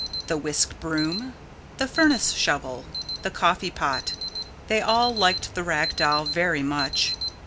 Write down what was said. The Whisk Broom, the Furnace Shovel, the Coffee Pot, they all liked the Rag Doll very much.